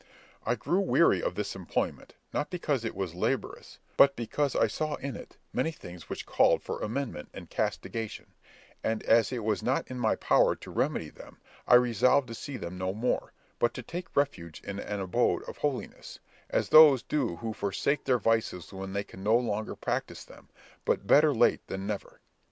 I grew weary of this employment, not because it was laborious, but because I saw in it many things which called for amendment and castigation; and, as it was not in my power to remedy them, I resolved to see them no more, but to take refuge in an abode of holiness, as those do who forsake their vices when they can no longer practise them; but better late than never.